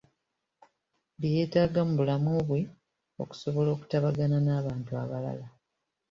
Bye yeetaaga mu bulamu bwe okusobola okutabagana n’abantu abalala.